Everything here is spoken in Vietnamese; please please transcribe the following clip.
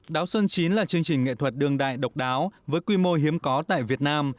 đảo xuân chín là chương trình nghệ thuật đường đại độc đáo với quy mô hiếm có tại việt nam